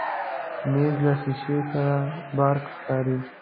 مېز له شیشې سره براق ښکاري.